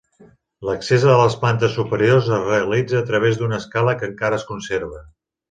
L'accés a les plantes superiors es realitza a través d'una escala que encara es conserva.